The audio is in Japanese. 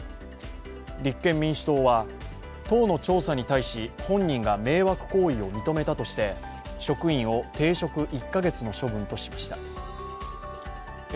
立憲民主党は党の調査に対し、本人が迷惑行為を認めたとして、職員を停職１カ月の処分としました。